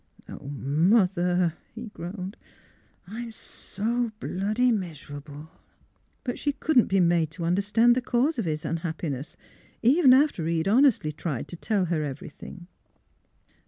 " Oh, mother," he groaned, " I'm so bloody miserable !" But she couldn't be made to understand the cause of his unhappiness, even after he had hon estly tried to tell her everything.